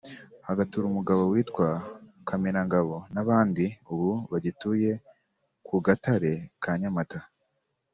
hagatura umugabo witwa Kamenangabo n’abandi ubu bagituye ku Gatare ka Nyamata”